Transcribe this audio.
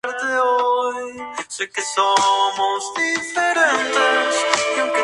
Para instrumentos que podían moverse el proceso era más complejo.